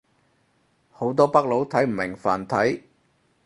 好多北佬睇唔明繁體